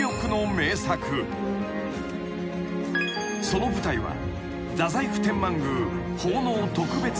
［その舞台は］